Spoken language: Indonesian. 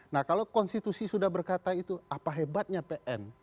nah kalau konstitusi sudah berkata itu apa hebatnya pn